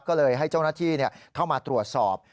ก็เลยให้เจ้าหน้าที่เข้ามาตรวจสอบ